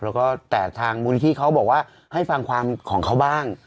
แล้วก็แต่ทางมูลนิธิเขาบอกว่าให้ฟังความของเขาบ้าง